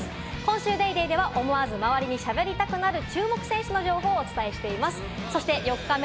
今週『ＤａｙＤａｙ．』では、思わず周りにしゃべりたくなる注目の選手の情報をお伝えしています。